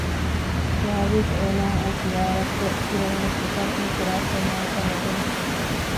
ޖާވިޒް އޭނާއަށް ޒިޔާރަތްކޮއް ކުރެވުނު ކުށަށް އިއުތިރާފްވެ މަޢާފްއަށް އެދުން